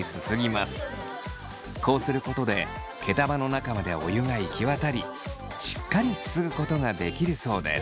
こうすることで毛束の中までお湯が行き渡りしっかりすすぐことができるそうです。